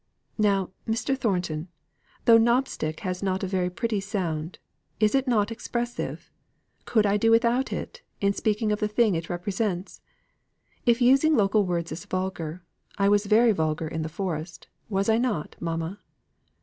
"Now, Mr. Thornton, though 'knobstick' has not a very pretty sound, is it not expressive? Could I do without it, in speaking of the thing it represents? If using local words is vulgar, I was very vulgar in the Forest, was I not, mamma?"